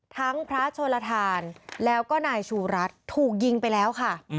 พระโชลทานแล้วก็นายชูรัฐถูกยิงไปแล้วค่ะ